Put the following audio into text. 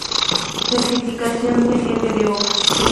Certificación de Jefe de Obra.